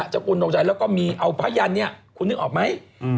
กุลดวงชัยแล้วก็มีเอาพระยันเนี่ยคุณนึกออกไหม